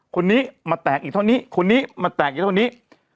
คนนี้มาแตกอีกเท่านี้คนนี้มาแตกอีกเท่านี้